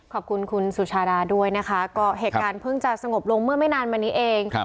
ขอบคุณคุณสุชาดาด้วยนะคะก็เหตุการณ์เพิ่งจะสงบลงเมื่อไม่นานมานี้เอง